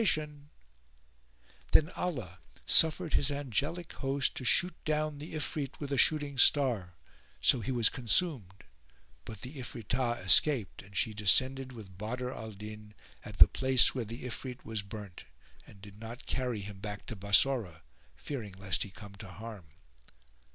[FN#429] Then Allah suffered his angelic host to shoot down the Ifrit with a shooting star, [FN#430] so he was consumed, but the Ifritah escaped and she descended with Badr al Din at the place where the Ifrit was burnt, and did not carry him back to Bassorah, fearing lest he come to harm.